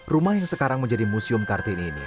rumah yang sekarang menjadi museum kartini ini